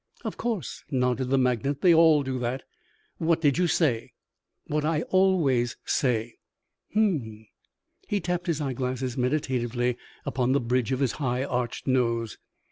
"Of course," nodded the magnate, "they all do that. What did you say?" "What I always say." "H'm!" He tapped his eyeglasses meditatively upon the bridge of his high arched nose.